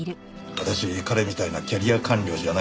私彼みたいなキャリア官僚じゃないんですよ。